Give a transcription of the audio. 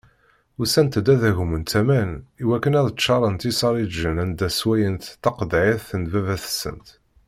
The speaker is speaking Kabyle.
Usant-d ad agment aman iwakken ad ččaṛent isariǧen anda sswayent taqeḍɛit n baba-tsent.